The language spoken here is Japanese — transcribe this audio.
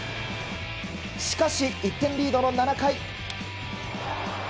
しかし、１点リードの７回。